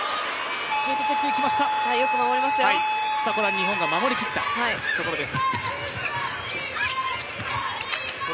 日本が守りきったところです。